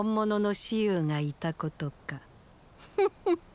フフフッ